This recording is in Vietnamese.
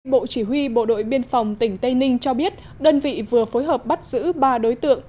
bộ chỉ huy bộ đội biên phòng tỉnh tây ninh cho biết đơn vị vừa phối hợp bắt giữ ba đối tượng